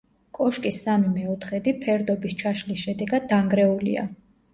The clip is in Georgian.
კოშკის სამი მეოთხედი, ფერდობის ჩაშლის შედეგად დანგრეულია.